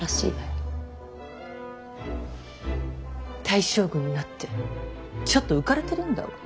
大将軍になってちょっと浮かれてるんだわ。